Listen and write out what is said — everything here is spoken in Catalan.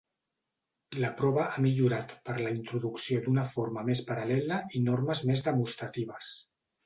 La prova ha millorat per la introducció d'una forma més paral·lela i normes més demostratives.